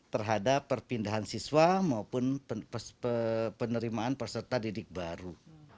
terhadap perpindahan siswa maupun penerimaan peserta didik baru